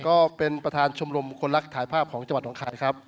ก็เป็นประธานชมรมคนรักถ่ายภาพของจังหวัดน้องคายครับ